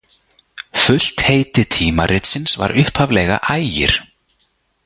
Fullt heiti tímaritsins var upphaflega Ægir.